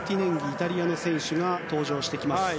イタリアの選手が登場してきます。